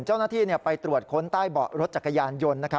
เจ้าหน้าที่ไปตรวจค้นใต้เบาะรถจักรยานยนต์